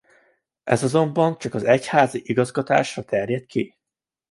Ez azonban csak az egyházi igazgatásra terjedt ki.